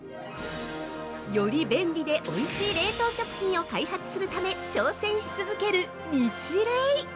◆より便利でおいしい冷凍食品を開発するため挑戦し続けるニチレイ。